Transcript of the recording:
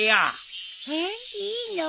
えっいいの？